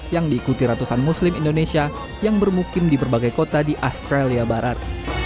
yang diikuti ratusan muslim indonesia yang bermukim di berbagai kota di australia barat